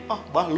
ah mbah lu